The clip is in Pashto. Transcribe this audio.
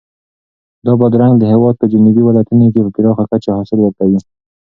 دا بادرنګ د هېواد په جنوبي ولایتونو کې په پراخه کچه حاصل ورکوي.